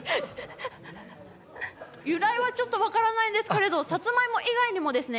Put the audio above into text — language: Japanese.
由来はちょっと分からないんですけれどもさつまいも以外にもですね